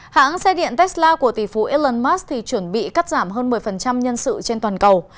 hãng xe điện tesla của tỷ phú elon musk thì chuẩn bị cắt giảm hơn một mươi nhân sự trên toàn cầu